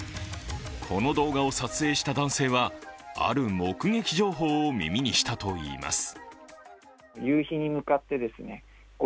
この動画を撮影した男性はある目撃情報を耳にしたといいます。